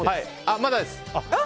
まだです！